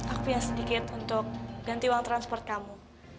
aku yang sedikit untuk ganti uang transport kamu